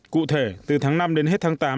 cụ thể từ tháng năm đến hết tháng tám